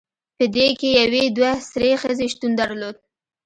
پدې کې یوې دوه سرې ښځې شتون درلود